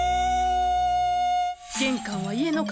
玄関は家の顔。